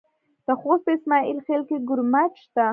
د خوست په اسماعیل خیل کې کرومایټ شته.